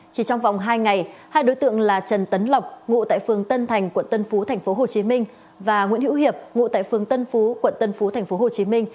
chỉ trong vòng hai ngày hai đối tượng là trần tấn lọc ngụ tại phương tân thành quận tân phú tp hcm và nguyễn hiệu hiệp ngụ tại phương tân phú quận tân phú tp hcm